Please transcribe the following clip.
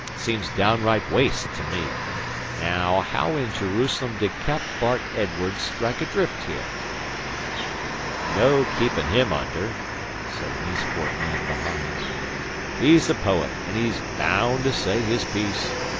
'Seems downright waste to me. ... Naow, how in Jerusalem did Cap. Bart Edwardes strike adrift here?" "No keepin' him under," said an Eastport man behind. "He's a poet, an' he's baound to say his piece.